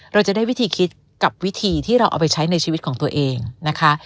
เราจะได้วิธีคิดกับวิธีที่เราเอาไปใช้ในชีวิตของตัวเองนะคะ